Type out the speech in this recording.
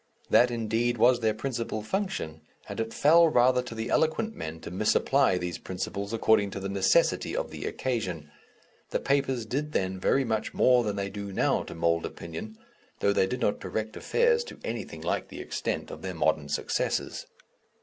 That indeed was their principal function, and it fell rather to the eloquent men to misapply these principles according to the necessity of the occasion. The papers did then very much more than they do now to mould opinion, though they did not direct affairs to anything like the extent of their modern successors.